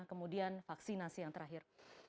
kemudian vaksinasi yang terakhir